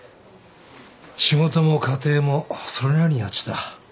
仕事も家庭もそれなりにやってきた。